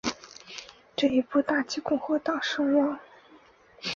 这进一步打击共和党声望。